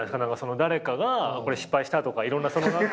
誰かがこれ失敗したとかいろんな何か。